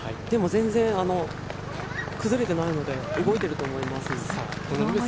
でも全然、崩れてないので動いていると思います。